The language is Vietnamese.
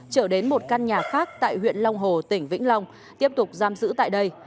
trở đến một căn nhà khác tại huyện long hồ tỉnh vĩnh long tiếp tục giam giữ tại đây